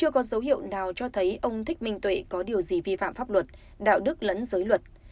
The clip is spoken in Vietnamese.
chưa có dấu hiệu nào cho thấy ông thích minh tuệ có điều gì vi phạm pháp luật đạo đức lẫn giới luật